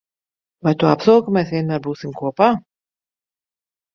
Vai tu apsoli, ka mēs vienmēr būsim kopā?